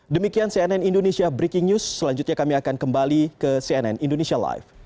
demikian cnn indonesia breaking news selanjutnya kami akan kembali ke cnn indonesia live